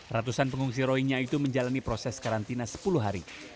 ratusan pengungsi rohingya itu menjalani proses karantina sepuluh hari